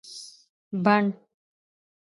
بڼ